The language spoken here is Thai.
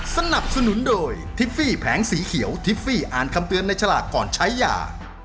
สนับสนุนโดยทิฟฟี่แผงสีเขียวทิฟฟี่อ่านคำเตือนในฉลากก่อนใช้ยา